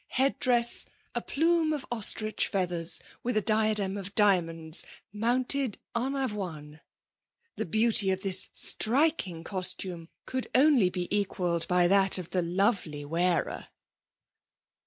Head dress, a plume of ostrich feathers, with a diadem of diamonds mounted en avoine. The beauty of this striking costume could only be equalled by that of tbe lovely wearer."